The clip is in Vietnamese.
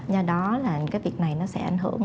do đó là cái việc này nó sẽ ảnh hưởng